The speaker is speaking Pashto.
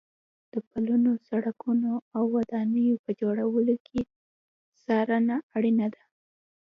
د پلونو، سړکونو او ودانیو په جوړولو کې څارنه اړینه ده.